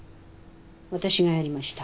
私がやりました。